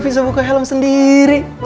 fizobu ke helong sendiri